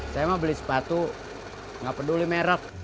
saya mau beli sepatu nggak peduli merek